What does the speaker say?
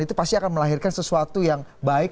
itu pasti akan melahirkan sesuatu yang baik